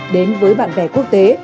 đến với bạn bè quốc tế